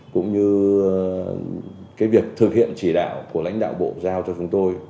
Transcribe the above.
cũng như việc thực hiện chỉ đạo của lãnh đạo bộ giao cho chúng tôi